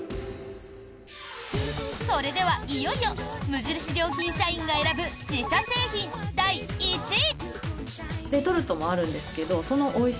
それでは、いよいよ無印良品社員が選ぶ自社製品第１位。